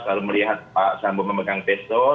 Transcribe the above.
lalu melihat pak sambo memegang pistol